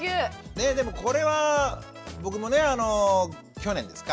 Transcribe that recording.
ねえでもこれは僕もね去年ですか。